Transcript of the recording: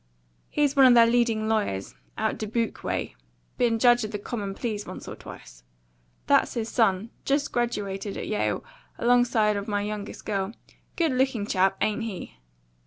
He's one of their leading lawyers, out Dubuque way; been judge of the Common Pleas once or twice. That's his son just graduated at Yale alongside of my youngest girl. Good looking chap, ain't he?"